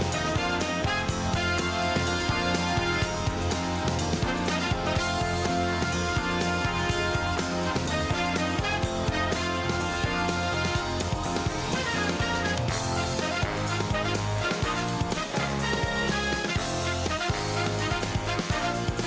สวัสดีค่ะ